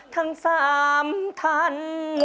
ทั้งสามท่าน